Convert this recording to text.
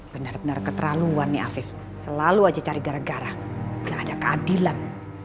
bener bener keterlaluan nih afif selalu aja cari gara gara gak ada keadilan